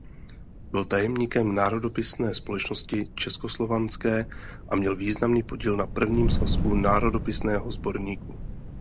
Byl tajemníkem Národopisné společnosti českoslovanské a měl významný podíl na prvním svazku Národopisného sborníku.